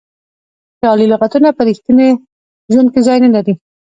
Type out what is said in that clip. خیالي لغتونه په ریښتیني ژوند کې ځای نه لري.